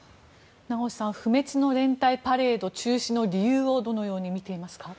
名越さん、不滅の連隊パレード中止の理由をどのように見ていますか？